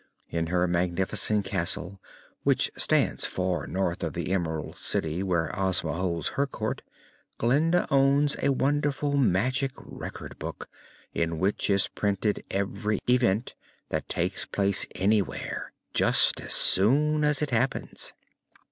In her magnificent castle, which stands far north of the Emerald City where Ozma holds her court, Glinda owns a wonderful magic Record Book, in which is printed every event that takes place anywhere, just as soon as it happens.